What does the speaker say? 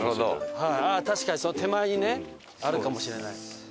確かにその手前にねあるかもしれない。